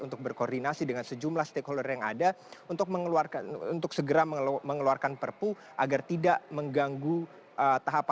untuk berkoordinasi dengan sejumlah stakeholder yang ada untuk segera mengeluarkan perpu agar tidak mengganggu tahapan